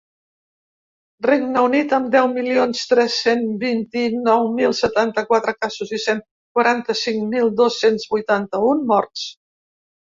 Regne Unit, amb deu milions tres-cents vint-i-nou mil setanta-quatre casos i cent quaranta-cinc mil dos-cents vuitanta-un morts.